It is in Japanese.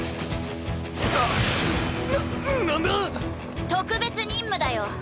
ななんだ⁉特別任務だよ。